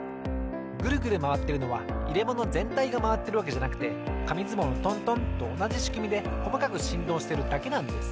グルグルまわってるのはいれものぜんたいがまわってるわけじゃなくてかみずもうのトントンとおなじしくみでこまかくしんどうしてるだけなんです。